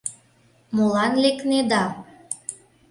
— Молан лекнеда?